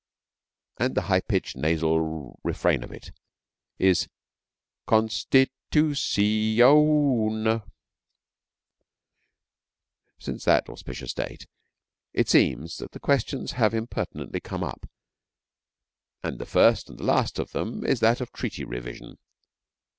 And the high pitched nasal refrain of it is 'Consti tuci oun!'] Since that auspicious date it seems that the questions have impertinently come up, and the first and the last of them is that of Treaty Revision.